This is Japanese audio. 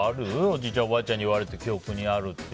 おじいちゃん、おばあちゃんに言われて記憶にあること。